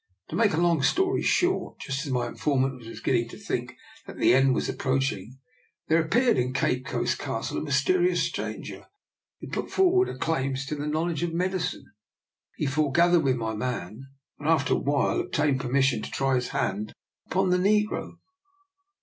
To make a long story short, just as my informant was beginning to think that the end was ap proaching, there appeared in Cape Coast Cas tle a mysterious stranger who put forward claims to a knowledge of medicine. He for gathered with my man, and after a while ob tained permission to try his hand upon the negro."